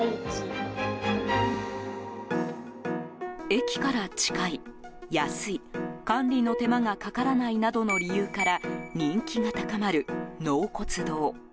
駅から近い、安い管理の手間がかからないなどの理由から人気が高まる納骨堂。